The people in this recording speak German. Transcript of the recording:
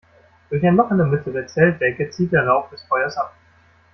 Durch ein Loch in der Mitte der Zeltdecke zieht der Rauch des Feuers ab.